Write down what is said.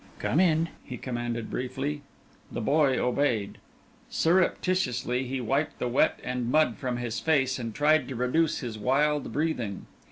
"Come in," he commanded, briefly. The boy obeyed. Surreptitiously he wiped the wet and mud from his face and tried to reduce his wild breathing.